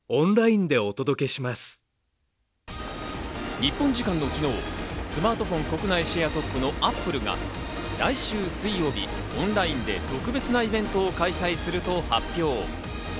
日本時間の昨日、スマートフォン国内シェアトップのＡｐｐｌｅが来週水曜日、オンラインで特別なイベントを開催すると発表。